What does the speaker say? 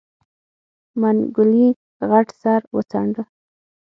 منګلي غټ سر وڅنډه.